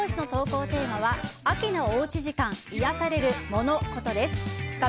今週のせきららボイスの投稿テーマは秋のおうち時間いやされるモノ・コトです。